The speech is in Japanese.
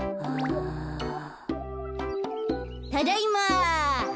・ただいま。